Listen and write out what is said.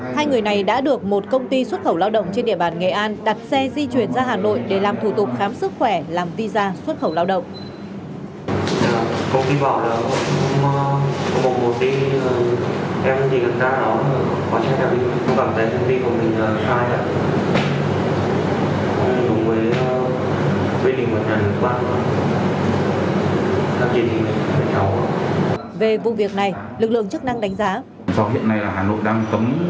hai người này đã được một công ty xuất khẩu lao động trên địa bàn nghệ an đặt xe di chuyển ra hà nội để làm thủ tục khám sức khỏe làm visa xuất khẩu lao động